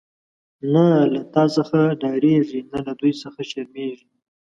نه له تا څخه ډاريږی، نه له دوی څخه شرميږی